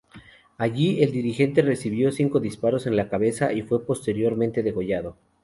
Allí, el dirigente recibió cinco disparos en la cabeza y fue posteriormente degollado.